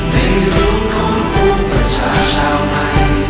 ในรวมของภูมิประชาชาวไทย